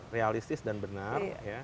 realistis dan benar